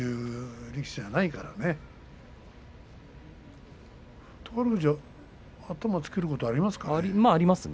宝富士は頭をつけることはありますか。